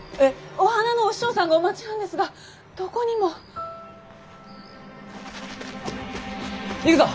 お花のお師匠さんがお待ちなんですがどこにも。行くぞ！